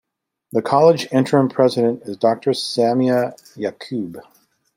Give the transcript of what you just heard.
The college interim president is Doctor Samia Yaqub.